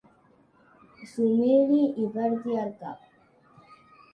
S'ho miri i perdi el cap.